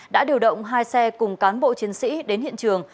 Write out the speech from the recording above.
đã điều động hai xe cùng cán bộ chiến sĩ đến hiện trường